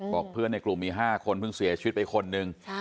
บอกเพื่อนในกลุ่มมี๕คนเพิ่งเสียชีวิตไปคนหนึ่ง